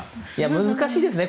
難しいですね。